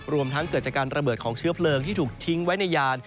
รวมทั้งเกิดจากการระเบิดของเชื้อเพลิงที่ถูกทิ้งไว้ในยาน